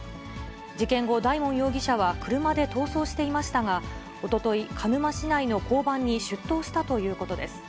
事件後、大門容疑者は車で逃走していましたが、おととい、鹿沼市内の交番に出頭したということです。